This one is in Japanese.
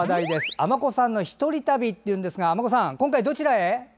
尼子さんの１人旅ですが尼子さん、今回どちらへ？